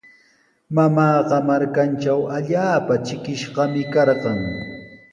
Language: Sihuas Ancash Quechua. Mamaaqa markantraw allaapa trikishqami karqan.